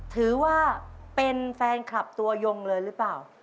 ถือว่าเป็นแฟนคลับตัวยงเลยหรือเปล่า